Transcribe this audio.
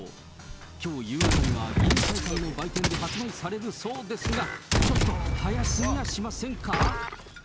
きょう夕方には議員会館の売店で発売されるそうですが、ちょっと早すぎやしませんか？